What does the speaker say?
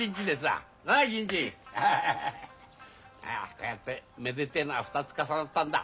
こうやってめでてえのが２つ重なったんだ。